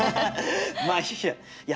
まあいいや。